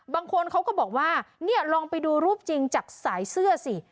บางคนเขาก็บอกว่าเนี่ยลองไปดูรูปจริงจากสายเสื้อสิ